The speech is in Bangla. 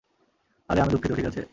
আরে, আমি দুঃখিত, ঠিক আছে?